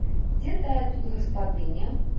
Дзе тая тут гаспадыня?